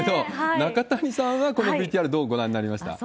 中谷さんはこのＶＴＲ、どうご覧になりましたか？